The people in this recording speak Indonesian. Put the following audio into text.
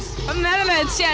dari netherlands ya